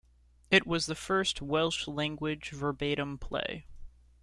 It was the first Welsh-language verbatim play.